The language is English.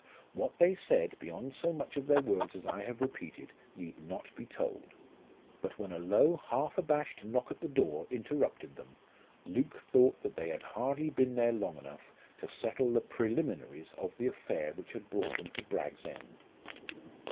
What they said, beyond so much of their words as I have repeated, need not be told. But when a low half abashed knock at the door interrupted them, Luke thought that they had hardly been there long enough to settle the preliminaries of the affair which had brought him to Bragg's End.